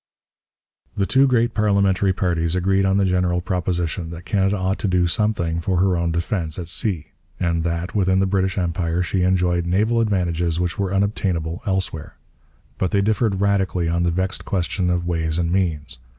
The two great parliamentary parties agreed on the general proposition that Canada ought to do something for her own defence at sea, and that, within the British Empire, she enjoyed naval advantages which were unobtainable elsewhere. But they differed radically on the vexed question of ways and means.